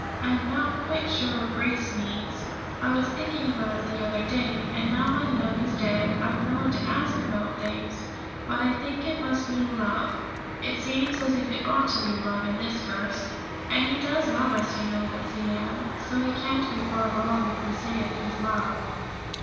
I'm not quite sure what grace means; I was thinking about it the other day. And now my mammie's dead, I've no one to ask about things; but I think it must mean love; it seems as if it ought to mean love in this verse; and He does love us, you know, Betsey Ann, so we can't be far wrong if we say it means love.'